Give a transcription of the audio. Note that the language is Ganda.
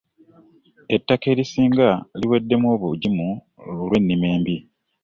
Ettaka erisinga liweddemu obugimu olwennima embi .